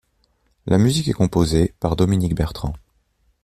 La musique est composée par Dominique Bertrand.